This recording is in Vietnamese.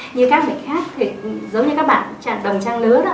như các bệnh khác thì giống như các bạn đồng trang lứa đó